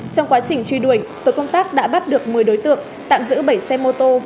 trong quá trình truy đuổi tổ công tác đã bắt được một mươi đối tượng tạm giữ bảy xe mô tô